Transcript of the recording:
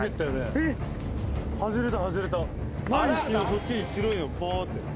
そっちに白いのばーって。